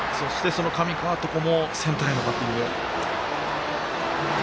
上川床もセンターへのバッティング。